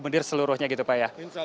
mendir seluruhnya gitu pak ya